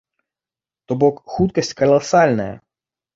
То бок хуткасць каласальная!